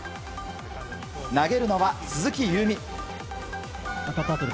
投げるのは、鈴木夕湖。